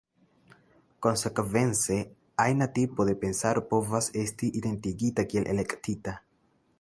Konsekvence, ajna tipo de pensaro povas esti identigita kiel eklektika.